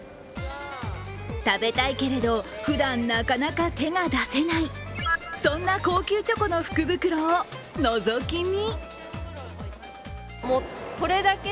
食べたいけれど、ふだんなかなか手が出せない、そんな高級チョコの福袋をのぞき見！